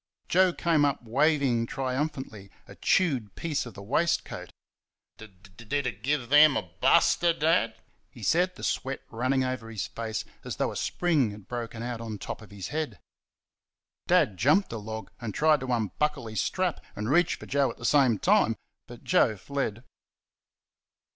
Joe came up waving triumphantly a chewed piece of the waistcoat. "D d did it g give them a buster, Dad?" he said, the sweat running over his face as though a spring had broken out on top of his head. Dad jumped a log and tried to unbuckle his strap and reach for Joe at the same time, but Joe fled.